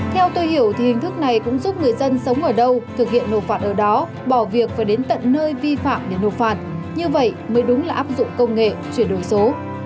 theo tôi hiểu thì hình thức này cũng giúp người dân sống ở đâu thực hiện nộp phạt ở đó bỏ việc phải đến tận nơi vi phạm để nộp phạt như vậy mới đúng là áp dụng công nghệ chuyển đổi số